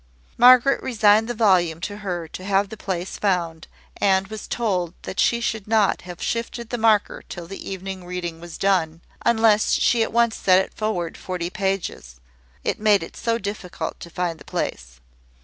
Margaret resigned the volume to her to have the place found, and was told that she should not have shifted the marker till the evening reading was done, unless she at once set it forward forty pages: it made it so difficult to find the place.